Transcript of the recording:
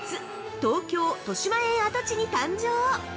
東京・としまえん跡地に誕生！